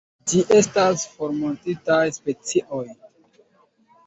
Ĝi estas formortintaj specioj.